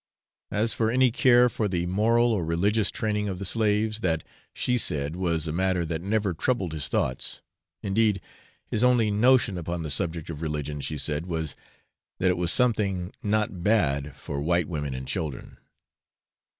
As for any care for the moral or religious training of the slaves, that, she said, was a matter that never troubled his thoughts; indeed, his only notion upon the subject of religion, she said, was, that it was something not bad for white women and children.